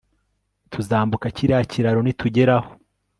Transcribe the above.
Tuzambuka kiriya kiraro nitugeraho